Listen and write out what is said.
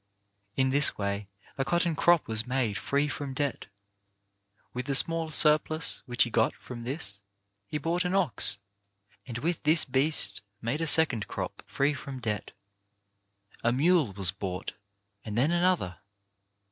In this way a cotton crop was made free from debt. With the small surplus which he got from this he bought an ox, and with this beast made a second crop free from debt. A mule was bought, and then another.